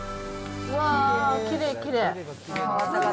わー、きれいきれい。